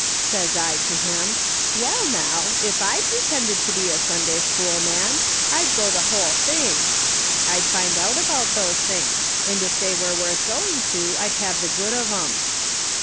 Says I to him, ' Well, now, if I pre tended to be a Sunday school man I'd go the whole thing ; I'd find out about those things, and if they are worth going to I'd have the good of V^m.'